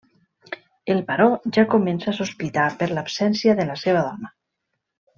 El baró ja comença a sospitar per l'absència de la seva dona.